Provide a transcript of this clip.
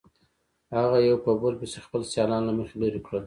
هغه یو په بل پسې خپل سیالان له مخې لرې کړل.